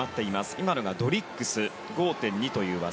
今のがドリッグス５．２という技。